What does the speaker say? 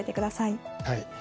はい。